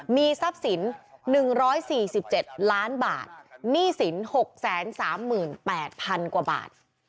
มีทรัพย์สิน๑๔๗ล้านบาทหนี้สิน๖๓๘๐๐๐กว่าบาท